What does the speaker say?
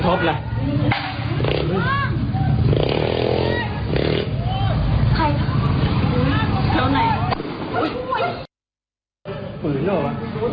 เทียวหน่อย